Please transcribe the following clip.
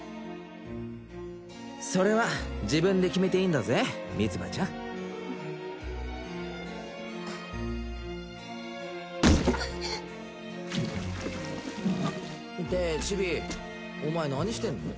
それは自分で決めていいんだぜミツバちゃんってチビお前何してんの？